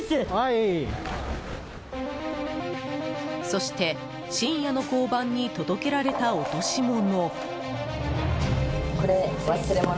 そして深夜の交番に届けられた落とし物。